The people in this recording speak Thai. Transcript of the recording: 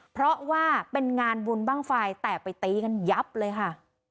เพราะว่าเป็นงานบุญบ้างไฟแต่ไปตีกันยับเลยค่ะ